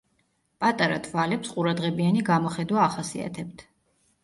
პატარა თვალებს ყურადღებიანი გამოხედვა ახასიათებთ.